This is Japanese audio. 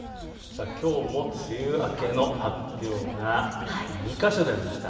きょうも梅雨明けの発表が２か所でありました。